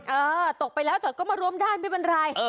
เออตกไปแล้วเถอะก็มารวมได้ไม่เป็นไร